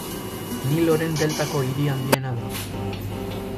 Niloren deltako hiri handiena da.